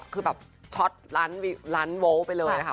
คือแบบช็อตร้านโวลต์ไปเลยนะคะ